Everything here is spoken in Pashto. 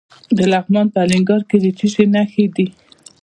د لغمان په الینګار کې د څه شي نښې دي؟